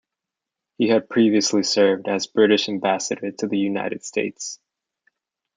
He had previously served as British Ambassador to the United States.